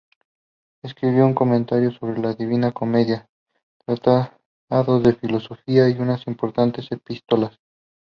Escribió un comentario sobre "La Divina Comedia", tratados de filosofía y unas importantes epístolas.